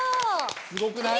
すごくない？